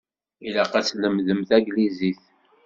Ilaq ad tlemdem taglizit.